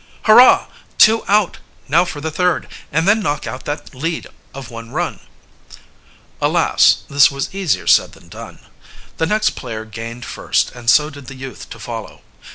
"Hurrah! Two out! Now for the third, and then knock out that lead of one run!" Alas! This was easier said than done. The next player gained first, and so did the youth to follow.